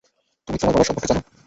তুমি তোমার বাবার সম্পর্কে জানো?